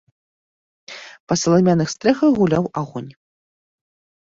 Па саламяных стрэхах гуляў агонь.